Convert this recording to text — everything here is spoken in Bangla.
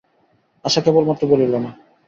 আশা কেবলমাত্র বলিল, না।